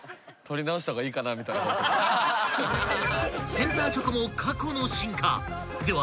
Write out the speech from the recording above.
［センターチョコも過去の進化！では］